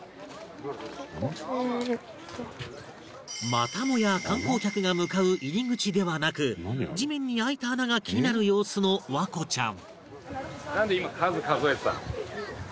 またもや観光客が向かう入り口ではなく地面に開いた穴が気になる様子の環子ちゃん